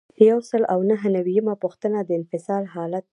یو سل او نهه نوي یمه پوښتنه د انفصال حالت دی.